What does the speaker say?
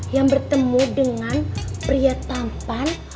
yang bertemu dengan pria tampan